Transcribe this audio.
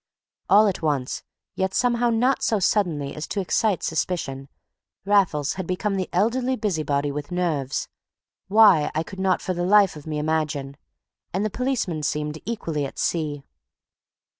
All at once, yet somehow not so suddenly as to excite suspicion, Raffles had become the elderly busybody with nerves; why, I could not for the life of me imagine; and the policeman seemed equally at sea.